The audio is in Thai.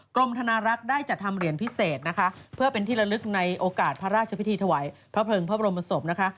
กรมธนารักษ์ได้จัดทำเหรียญพิเศษนะคะเพื่อเป็นที่ละลึกในโอกาสพระราชพิธีถวายพระเพลิงพระบรมศพนะคะ